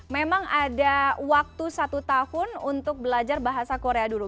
memang ada waktu satu tahun untuk belajar bahasa korea dulu